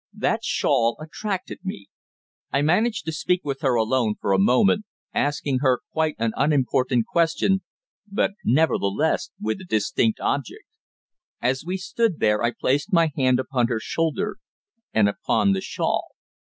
That shawl attracted me. I managed to speak with her alone for a moment, asking her quite an unimportant question, but nevertheless with a distinct object. As we stood there I placed my hand upon her shoulder and upon the shawl.